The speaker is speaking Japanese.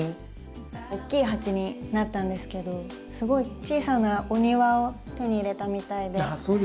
大きい鉢になったんですけどすごい小さなお庭を手に入れたみたいで。